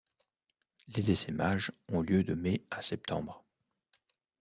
Les essaimages ont lieu de mai à septembre.